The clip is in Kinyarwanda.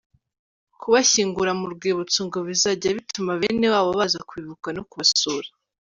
Kubashyingura mu Rwibutso, ngo bizajya bituma bene wabo baza kubibuka no kubasura.